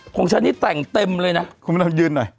ของฉันนี่แต่งเต็มเลยนะคุณพระดำยืนหน่อย